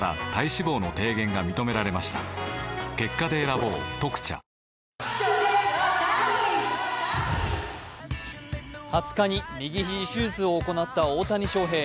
ぷっ事実「特茶」２０日に右肘手術を行った大谷翔平。